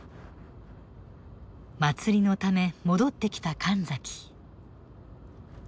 祭りのため戻ってきた神崎。